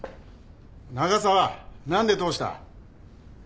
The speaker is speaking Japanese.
長澤何で通した？